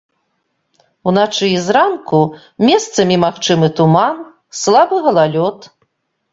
Уначы і зранку месцамі магчымы туман, слабы галалёд.